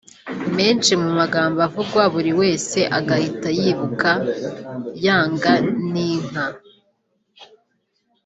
Menshi mu magambo avugwa buri wese agahita yibuka Yanga ni nka